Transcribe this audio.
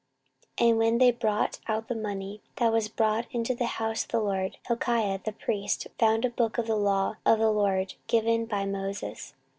14:034:014 And when they brought out the money that was brought into the house of the LORD, Hilkiah the priest found a book of the law of the LORD given by Moses.